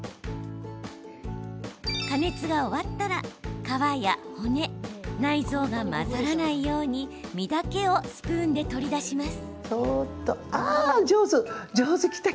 加熱が終わったら皮や骨、内臓が混ざらないように身だけをスプーンで取り出します。